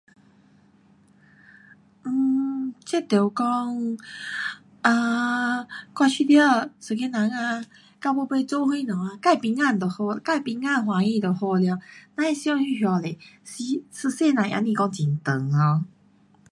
嗯，这得讲，啊，我觉得一个人啊，到尾尾做什么啊，自平安就好，自平安欢喜就好了，别想这么多，一世人也不讲很长 um